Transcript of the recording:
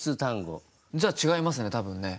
じゃあ違いますね多分ね。